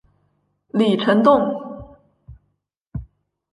李成栋。